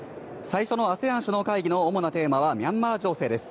最初のＡＳＥＡＮ首脳会議の主なテーマは、ミャンマー情勢です。